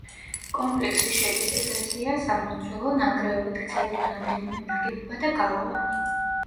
კომპლექსში შედის ეკლესია, სამლოცველო, ნანგრევებად ქცეული რამდენიმე ნაგებობა და გალავანი.